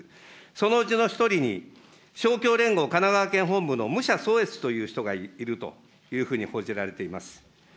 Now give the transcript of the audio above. そのうちの１人に、勝共連合神奈川県本部のむしゃそうえつという人がいるというふうに報じられています。